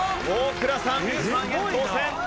大倉さん